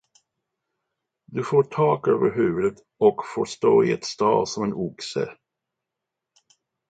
Du får tak över huvudet och får stå i ett stall som en oxe.